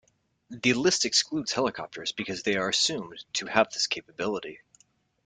The list excludes helicopters because they are assumed to have this capability.